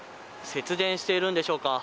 節電しているんでしょうか。